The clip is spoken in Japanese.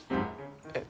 えっ？